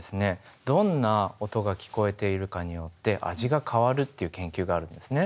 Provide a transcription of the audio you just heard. どんな音が聞こえているかによって味が変わるっていう研究があるんですね。